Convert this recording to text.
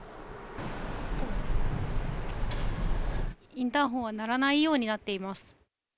インターホンは鳴らないようになっています。